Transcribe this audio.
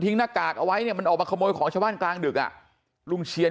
ทิ้งหน้ากากเอาไว้มันออกมาขโมยของชะวันกลางดึกอ่ะลุงเชียน